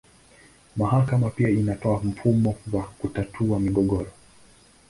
Mahakama pia inatoa mfumo wa kutatua migogoro.